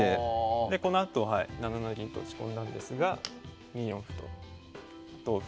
でこのあと７七銀と打ち込んだんですが２四歩と同歩